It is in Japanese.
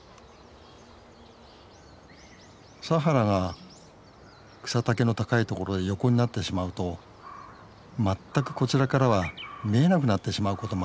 サハラが草丈の高い所へ横になってしまうと全くこちらからは見えなくなってしまうこともあります。